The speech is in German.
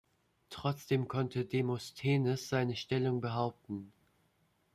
Trotzdem konnte Demosthenes seine Stellung behaupten.